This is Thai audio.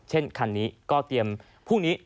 คันนี้ก็เตรียมพรุ่งนี้